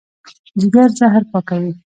جګر زهر پاکوي.